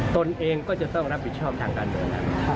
ตนเองก็จะต้องรับผิดชอบทางการเมืองนั้น